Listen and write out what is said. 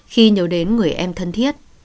khi nhớ đến người em thân thiết